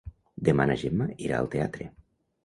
Demà na Gemma irà al teatre.